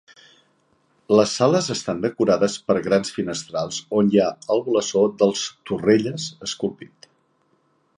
Les sales estan decorades per grans finestrals on hi ha el blasó dels Torrelles esculpit.